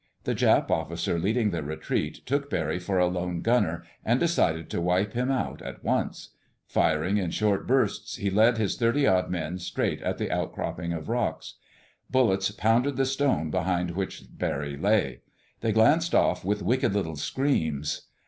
The Jap officer leading the retreat took Barry for a lone gunner, and decided to wipe him out at once. Firing in short spurts, he led his thirty odd men straight at the outcropping of rocks. Bullets pounded the stone behind which Barry lay. They glanced off with wicked little screams.